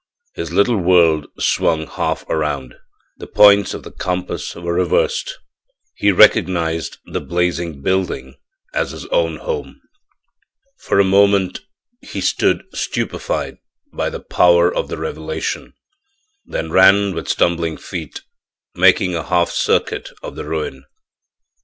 His little world swung half around; the points of the compass were reversed. He recognized the blazing building as his own home! For a moment he stood stupefied by the power of the revelation, then ran with stumbling feet, making a half circuit of the ruin.